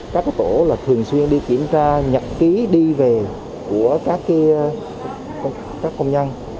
các tổ là thường xuyên đi kiểm tra nhập ký đi về của các công nhân